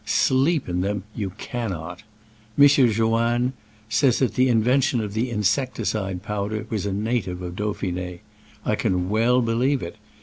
Sleep in them you cannot. M. Joanne says that the inventor of the insecticide powder was a native of Dauphin^. I can well be lieve it.